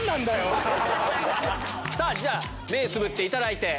じゃ目つぶっていただいて。